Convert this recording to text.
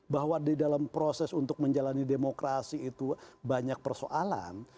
bahwa di dalam proses untuk menjalani demokrasi itu banyak persoalan